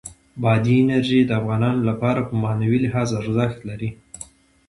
بادي انرژي د افغانانو لپاره په معنوي لحاظ ارزښت لري.